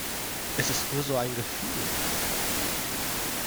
Es ist nur so ein Gefühl.